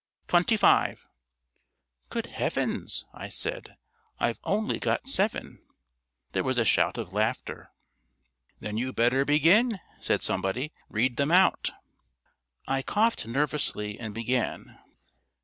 "Twenty five." "Good Heavens," I said, "I've only got seven." There was a shout of laughter. "Then you'd better begin," said somebody. "Read them out." I coughed nervously, and began.